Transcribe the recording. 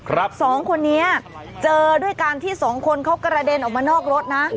สองคนนี้เจอด้วยการที่สองคนเขากระเด็นออกมานอกรถนะ